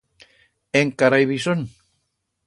Encara ibi son.